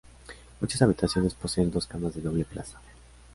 Muchas habitaciones poseen dos camas de doble plaza.